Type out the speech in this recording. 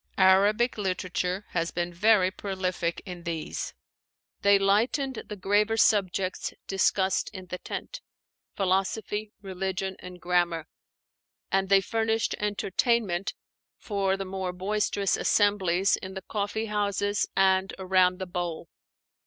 Arabic literature has been very prolific in these. They lightened the graver subjects discussed in the tent, philosophy, religion, and grammar, and they furnished entertainment for the more boisterous assemblies in the coffee houses and around the bowl.